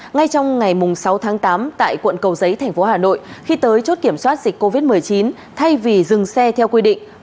ngay trong ngày sáu tháng tám tại quận cầu giấy thành phố hà nội khi tới chốt kiểm soát dịch covid một mươi chín thay vì dừng xe theo quy định